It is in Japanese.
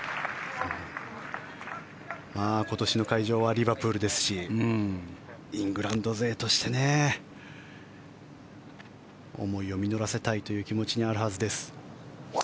今年の会場はリバプールですしイングランド勢としてね思いを実らせたいという気持ちにあるはずです。